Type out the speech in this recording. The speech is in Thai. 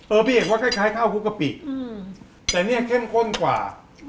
พี่เอกว่าคล้ายข้าวคุกกะปิแต่เนี่ยเข้มข้นกว่า